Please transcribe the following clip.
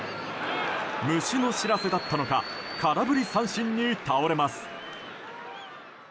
虫の知らせだったのか空振り三振に倒れます。